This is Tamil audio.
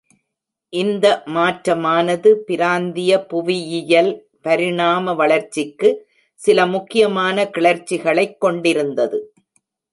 இந்த மாற்றமானது பிராந்திய புவியியல் பரிணாம வளர்ச்சிக்கு சில முக்கியமான கிளர்ச்சி்களைக் கொண்டிருந்தது.